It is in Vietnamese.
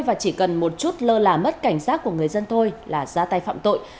và chỉ cần một chút lơ là mất cảnh giác của người dân thôi là ra tay phạm tội